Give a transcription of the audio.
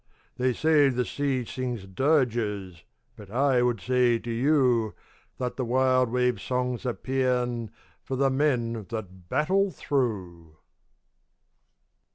They say the sea sings dirges, But I would say to you That the wild wave's song's a paean For the men that battle through.